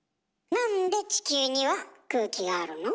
なんで地球には空気があるの？